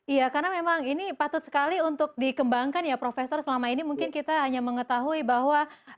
iya karena memang ini patut sekali untuk dikembangkan ya profesor selama ini mungkin kita hanya mengetahui bahwa